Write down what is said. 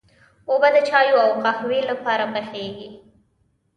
اوبه د چايو او قهوې لپاره پخېږي.